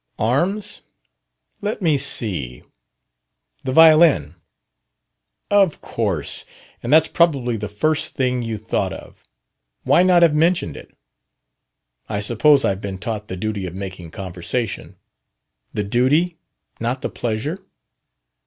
"Arms? Let me see. The violin?" "Of course. And that's probably the very first thing you thought of. Why not have mentioned it?" "I suppose I've been taught the duty of making conversation." "The duty? Not the pleasure?"